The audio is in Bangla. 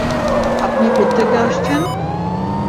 আপনি কোত্থেকে আসছেন?